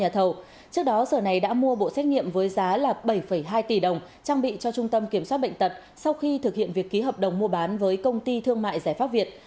trước đó sở này đã mua bộ xét nghiệm với giá bảy hai tỷ đồng trang bị cho trung tâm kiểm soát bệnh tật sau khi thực hiện việc ký hợp đồng mua bán với công ty thương mại giải pháp việt